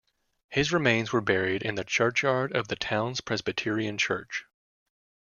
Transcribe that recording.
His remains were buried in the churchyard of the town's Presbyterian church.